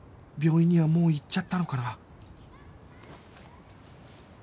病院にはもう行っちゃったのかな？